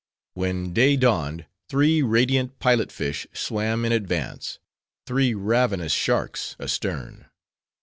When day dawned, three radiant pilot fish swam in advance: three ravenous sharks astern.